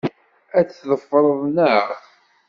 Ad t-teffreḍ, naɣ?